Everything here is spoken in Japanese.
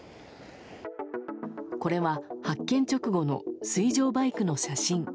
これは、発見直後の水上バイクの写真。